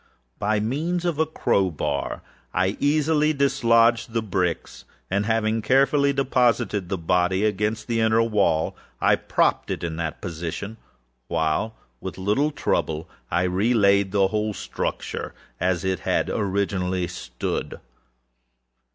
By means of a crow bar I easily dislodged the bricks, and, having carefully deposited the body against the inner wall, I propped it in that position, while, with little trouble, I re laid the whole structure as it originally stood.